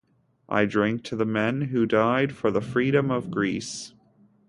I drink to the men who died for the freedom of Greece.